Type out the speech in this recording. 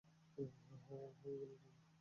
হাওয়া হয়ে গেলি নাকি!